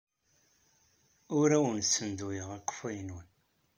Ur awen-ssenduyeɣ akeffay-nwen.